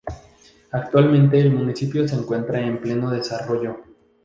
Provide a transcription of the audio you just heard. Actualmente el municipio se encuentra en pleno desarrollo.